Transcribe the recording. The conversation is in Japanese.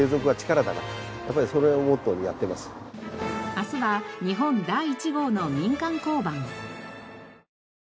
明日は日本第１号の民間交番。